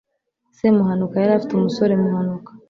semuhanukayariafiteumusore muhanuka